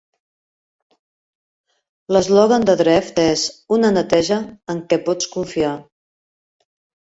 L'eslògan de Dreft és "Una neteja en què pots confiar".